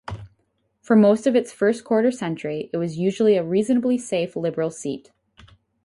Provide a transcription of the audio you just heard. For most of its first quarter-century, it was usually a reasonably safe Liberal seat.